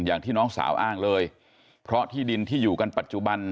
อย่างที่น้องสาวอ้างเลยเพราะที่ดินที่อยู่กันปัจจุบัน